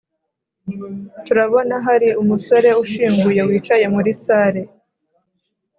turabonahari umusore ushinguye wicaye muri salle